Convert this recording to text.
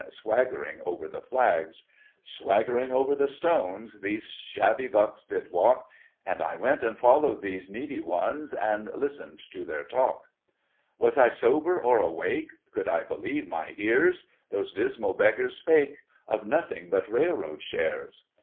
Swaggering over the flags :" Swaggering over the stones. Those shabby bucks did walk; And I went and followed those needy ones, And listened to their talk. Digiti ized by Google 1 845] THE RAILWAY MANIA. 263 *' Was I sober, or awake ? Could I believe my ears ? Those dismal beggars spake Of nothing but railroad shares.